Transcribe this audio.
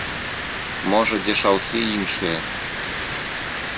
Можа, дзе шаўцы іншыя.